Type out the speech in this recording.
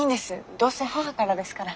どうせ母からですから。